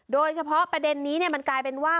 โดยเฉพาะประเด็นนี้มันกลายเป็นว่า